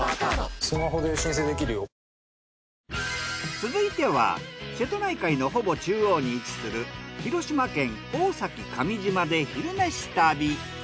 続いては瀬戸内海のほぼ中央に位置する広島県大崎上島で「昼めし旅」。